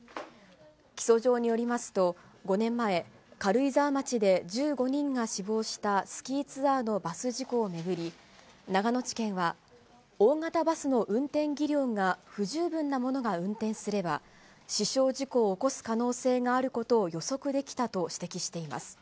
起訴状によりますと、５年前、軽井沢町で１５人が死亡したスキーツアーのバス事故を巡り、長野地検は、大型バスの運転技量が不十分な者が運転すれば、死傷事故を起こす可能性があることを予測できたと指摘しています。